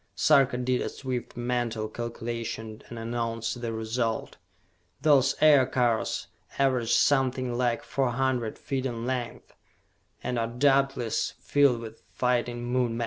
Sarka did a swift mental calculation, and announced the result. "Those Aircars average something like four hundred feet in length, and are doubtless filled with fighting Moon men!"